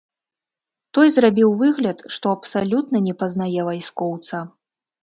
Той зрабіў выгляд, што абсалютна не пазнае вайскоўца.